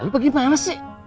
lu bagaimana sih